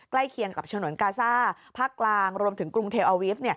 เคียงกับฉนวนกาซ่าภาคกลางรวมถึงกรุงเทลอาวิฟต์